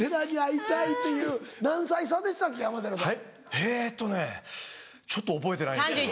えっとねちょっと覚えてないんですけど。